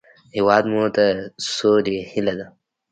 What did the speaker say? هېواد مو د سولې هیله ده